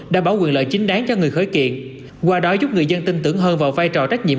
đảm bảo quyền lợi chính đáng cho người khởi kiện qua đó giúp người dân tin tưởng hơn vào vai trò trách nhiệm